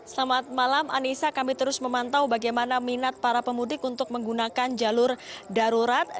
selamat malam anissa kami terus memantau bagaimana minat para pemudik untuk menggunakan jalur darurat